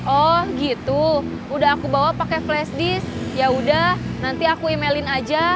oh gitu udah aku bawa pakai flash disk yaudah nanti aku emailin aja